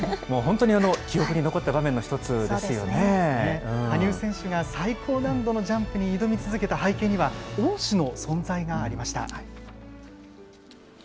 もう本当に記憶に残った場面の一羽生選手が最高難度のジャンプに挑み続けた背景には、恩師の存在がありました。